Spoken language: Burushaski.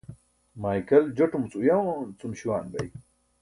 Maykal jotumuc uyooncum śuwaan bay